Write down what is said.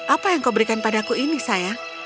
apa yang kau berikan padaku ini sayang